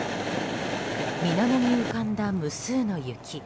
水面に浮かんだ無数の雪。